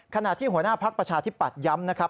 ขณะที่หัวหน้าพลักษณ์ประชาที่ปัดยำ